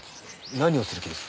何をする気です？